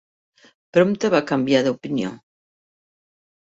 Prompte va canviar d'opinió.